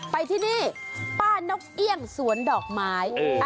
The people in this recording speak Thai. ไปที่นี่ป้านกเอี่ยงสวนดอกไม้